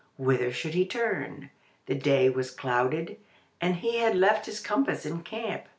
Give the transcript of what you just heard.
Whither should he turn? The day was clouded, and he had left his compass in camp.